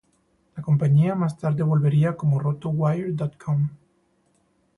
La compañía más tarde volvería como RotoWire.com.